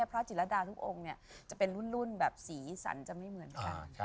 พระจิรดาทุกองค์เนี่ยจะเป็นรุ่นแบบสีสันจะไม่เหมือนกัน